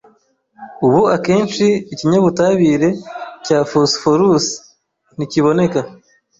Ubu akenshi ikinyabutabire cya phosphorus ntikiboneka